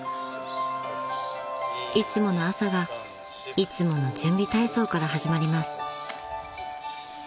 ［いつもの朝がいつもの準備体操から始まります］